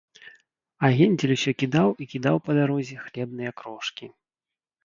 А Гензель усё кідаў і кідаў па дарозе хлебныя крошкі